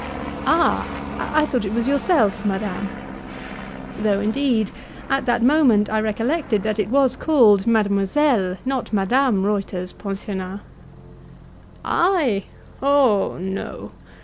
"Ah! I thought it was yourself, madame." Though, indeed, at that moment I recollected that it was called Mademoiselle, not Madame Reuter's pensionnat. "I! Oh, no!